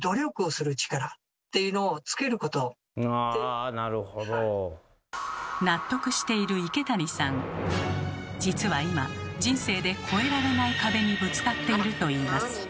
ああ納得している池谷さん実は今人生で越えられない壁にぶつかっているといいます。